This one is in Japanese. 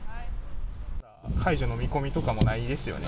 解除の見込みとかもないですよね。